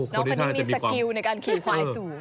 น้องคนนี้มีสกิลในการขี่ควายสูง